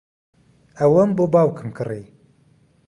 ئەوەم بۆ باوکم کڕی.